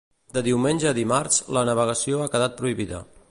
De diumenge a dimarts, la navegació ha quedat prohibida.